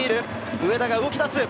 上田綺世が動き出す。